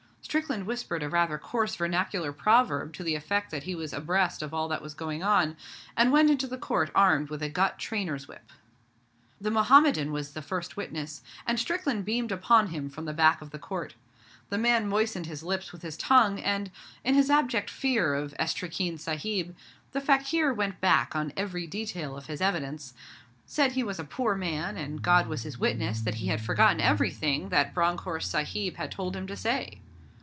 Strickland whispered a rather coarse vernacular proverb to the effect that he was abreast of all that was going on, and went into the Court armed with a gut trainer's whip. The Mohammedan was the first witness, and Strickland beamed upon him from the back of the Court. The man moistened his lips with his tongue and, in his abject fear of 'Estreekin Sahib', the fakir went back on every detail of his evidence said he was a poor man, and God was his witness that he had forgotten everything that Bronckhorst Sahib had told him to say.